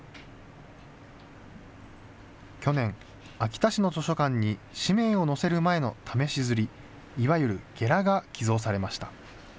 去年、秋田市の図書館に紙面を載せる前の試し刷り、いわゆるゲラが寄贈されました。